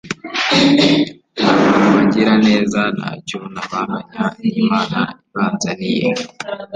aba bagiraneza ntacyo nabanganya ni Imana ibanzaniye